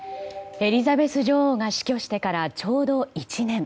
エリザベス女王が死去してからちょうど１年。